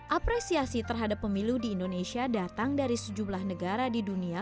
apresiasi terhadap pemilu di indonesia datang dari sejumlah negara di dunia